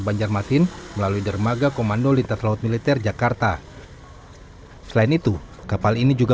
banjarmasin melalui dermaga komando lintas laut militer jakarta selain itu kapal ini juga